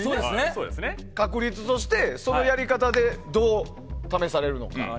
確率として、そのやり方でどう試されるのか。